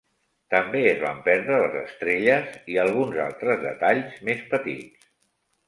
També es van perdre les estrelles i alguns altres detalls més petits.